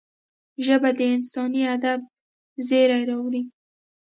ژبه د انساني ادب زېری راوړي